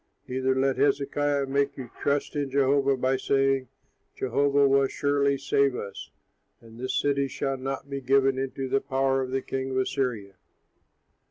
Neither let Hezekiah make you trust in Jehovah by saying, Jehovah will surely save us, and this city shall not be given into the power of the king of Assyria.'"